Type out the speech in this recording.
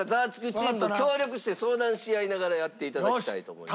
チーム協力して相談し合いながらやっていただきたいと思います。